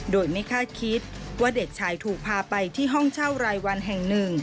โดยไม่คาดคิดว่าเด็กชายถูกพาไปที่ห้องเช่ารายวันแห่งหนึ่ง